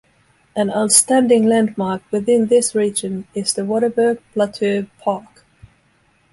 An outstanding landmark within this region is the Waterberg Plateau Park.